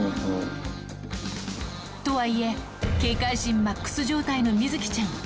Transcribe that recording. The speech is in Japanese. とはいえ、警戒心マックス状態のみづきちゃん。